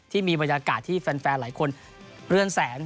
ที่มีบรรยากาศที่แฟนหลายคนเลื่อนแสง